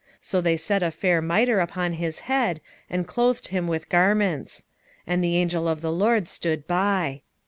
So they set a fair mitre upon his head, and clothed him with garments. And the angel of the LORD stood by.